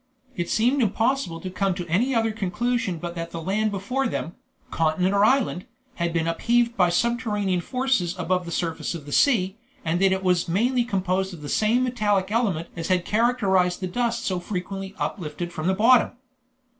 It seemed impossible to come to any other conclusion but that the land before them, continent or island, had been upheaved by subterranean forces above the surface of the sea, and that it was mainly composed of the same metallic element as had characterized the dust so frequently uplifted from the bottom.